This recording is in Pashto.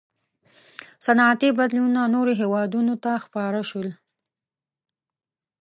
• صنعتي بدلونونه نورو هېوادونو ته خپاره شول.